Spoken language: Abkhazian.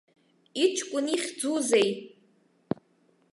Иҷкәын ихьӡузеи?